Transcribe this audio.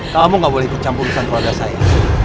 kamu gak boleh kecampurin keluarga saya